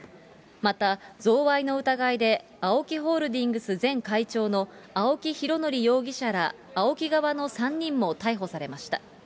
また、贈賄の疑いでＡＯＫＩホールディングス前会長の青木拡憲容疑者らＡＯＫＩ側の３人も逮捕されました。